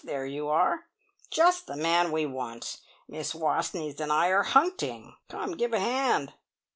There you are. Just the man we want. Miss Wastneys and I are hunting. Come and give a hand."